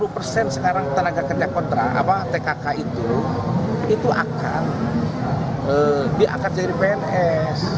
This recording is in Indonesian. sembilan puluh persen sekarang tenaga kerja kontra tkk itu akan diangkat jadi pns